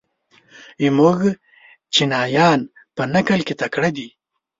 زموږ چینایان په نقل کې تکړه دي.